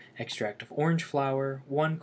Extract of orange flower 2 lb.